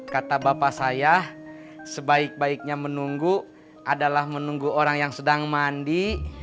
kata bapak saya sebaik baiknya menunggu adalah menunggu orang yang sedang mandi